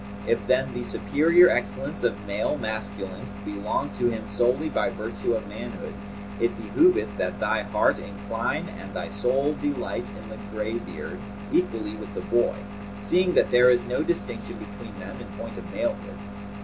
If, then, the superior excellence of male masculant belong to him solely by virtue of manhood, it behoveth that thy heart incline and thy sole delight in the graybeard, equally with the boy; seeing that there is no distinction between them, in point of male hood.